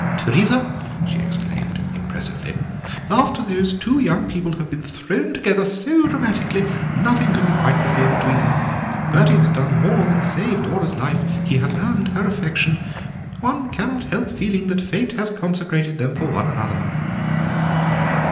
"Teresa," she exclaimed impressively, "after those two young people have been thrown together so dramatically, nothing can be quite the same again between them. Bertie has done more than save Dora's life; he has earned her affection. One cannot help feeling that Fate has consecrated them for one another."